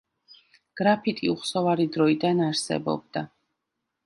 გრაფიტი უხსოვარი დროიდან არსებობდა.